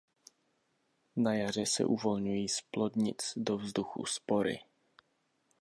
Na jaře se uvolňují z plodnic do vzduchu spory.